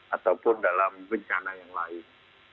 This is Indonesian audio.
ataupun dalam bencana yang lain